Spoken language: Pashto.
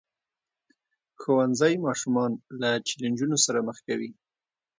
ښوونځی ماشومان له چیلنجونو سره مخ کوي.